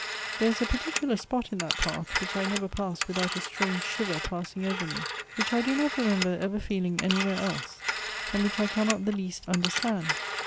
There is a particular spot in that path which I never pass without a strange shiver passing over me, which I do not remember ever feeling anywhere else, and which I cannot the least understand.